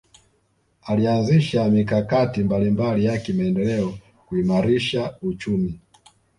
alianzisha mikakati mbalimbali ya kimaendeleo kuimarisha uchumi